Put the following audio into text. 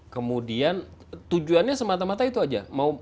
kemudian tujuannya semata mata itu aja